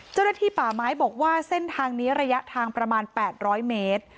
เจ้าหน้าที่ป่าไม้บอกว่าเส้นทางนี้ระยะทางประมาณ๘๐๐เมตร